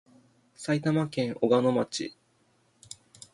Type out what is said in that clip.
埼玉県小鹿野町